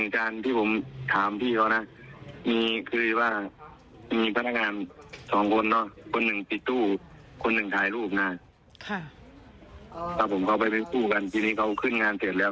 เขาไปเป็นตู้กันวันนี้เขาขึ้นงานเสร็จแล้ว